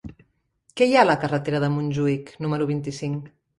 Què hi ha a la carretera de Montjuïc número vint-i-cinc?